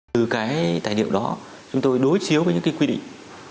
từ cái tài liệu đó chúng tôi đối chiếu với những cái quy định